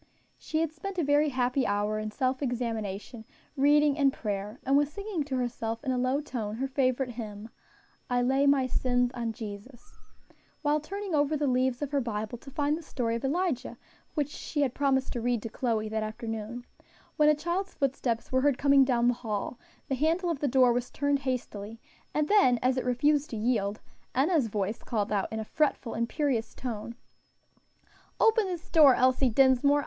She had spent a very happy hour in self examination, reading and prayer, and was singing to herself in a low tone her favorite hymn, "I lay my sins on Jesus," while turning over the leaves of her Bible to find the story of Elijah, which she had promised to read to Chloe that afternoon, when a child's footsteps were heard coming down the hall, the handle of the door was turned hastily, and then, as it refused to yield, Enna's voice called out in a fretful, imperious tone, "Open this door, Elsie Dinsmore.